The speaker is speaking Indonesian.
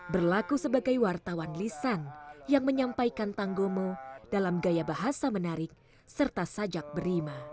berlaku sebagai wartawan lisan yang menyampaikan tanggomo dalam gaya bahasa menarik serta sajak berima